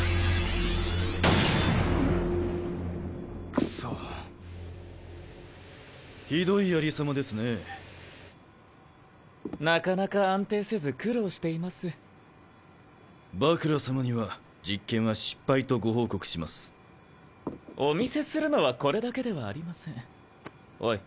くそひどいありさまですねなかなか安定せず苦労していバクラ様には実験は失敗お見せするのはこれだけではありませんおい